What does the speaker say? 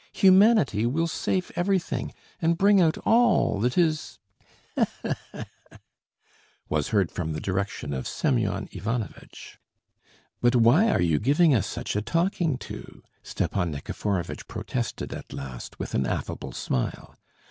Humanity will save everything and bring out all that is...." "He he he he!" was heard from the direction of Semyon Ivanovitch. "But why are you giving us such a talking to?" Stepan Nikiforovitch protested at last, with an affable smile.